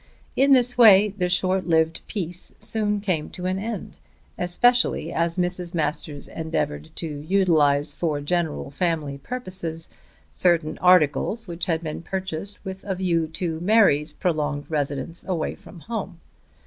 In this way the short lived peace soon came to an end, especially as Mrs. Masters endeavoured to utilize for general family purposes certain articles which had been purchased with a view to Mary's prolonged residence away from home.